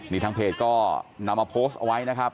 นี่ทางเพจก็นำมาโพสต์เอาไว้นะครับ